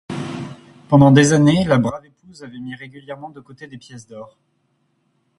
Pendant des années, la brave épouse avait mis régulièrement de côté des pièces d’or.